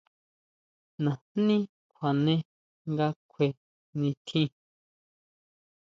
Najní kjuane nga kjue nitjín.